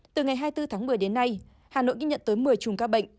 từ ngày hai mươi bốn tháng một mươi đến nay hà nội ghi nhận tới một mươi chùm ca bệnh